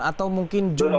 atau mungkin jumlah